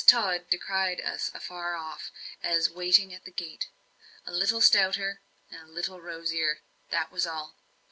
Tod descried us afar off and was waiting at the gate; a little stouter, a little rosier that was all.